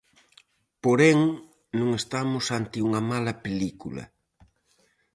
Porén non estamos ante unha mala película.